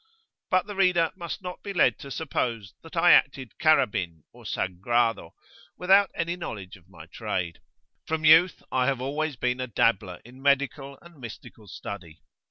But the reader must not be led to suppose that I acted "Carabin" or "Sangrado" without any knowledge of my trade. From youth I have always been a dabbler in medical and mystical study.